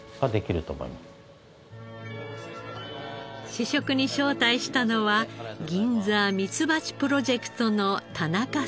試食に招待したのは銀座ミツバチプロジェクトの田中さん。